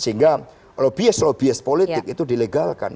sehingga lobbyist lobbyist politik itu dilegalkan